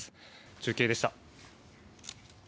中継でした。